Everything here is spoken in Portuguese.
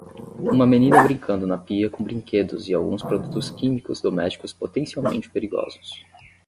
Uma menina brincando na pia com brinquedos e alguns produtos químicos domésticos potencialmente perigosos